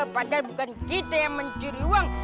padahal bukan kita yang mencuri uang